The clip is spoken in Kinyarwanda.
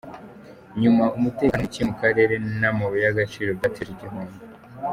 Nyuma, umutekano muke mu karere n’amabuye y’agaciro byateje igihombo.